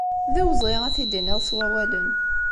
D awezɣi ad t-id-tiniḍ s wawalen.